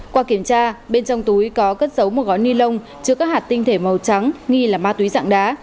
qua kiểm tra bên trong túi có cất dấu một gói ni lông trước các hạt tinh thể màu trắng nghi là ma túy sạng đá